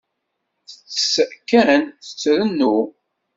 Tettess kan, trennu.